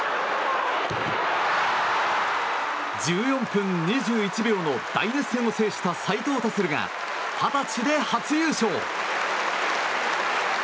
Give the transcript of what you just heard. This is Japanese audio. １４分２１秒の大熱戦を制した斉藤立が二十歳で初優勝！